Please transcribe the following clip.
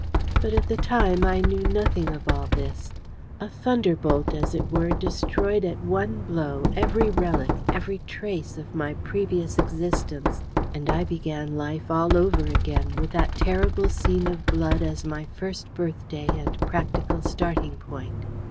But at the time, I knew nothing of all this. A thunderbolt, as it were, destroyed at one blow every relic, every trace of my previous existence; and I began life all over again, with that terrible scene of blood as my first birthday and practical starting point.